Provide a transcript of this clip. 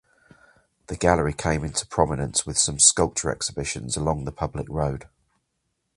The gallery came into prominence with some sculpture exhibitions along the public road.